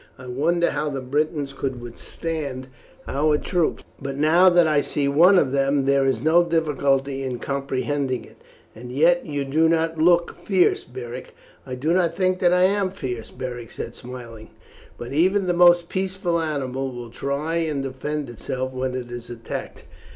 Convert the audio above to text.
I wondered how the Britons could withstand our troops, but now that I see one of them there is no difficulty in comprehending it, and yet you do not look fierce, Beric." "I do not think that I am fierce," Beric said smiling; "but even the most peaceful animal will try and defend itself when it is attacked."